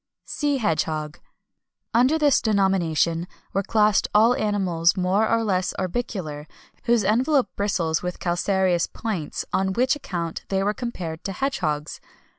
SEA HEDGEHOG. Under this denomination were classed all animals, more or less orbicular, whose envelope bristles with calcareous points, on which account they were compared to hedgehogs.